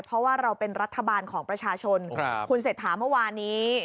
เพราะว่าเราเป็นรัฐบาลของประชาชนคุณเศรษฐาเมื่อวานนี้